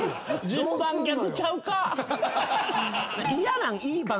順番逆ちゃうか？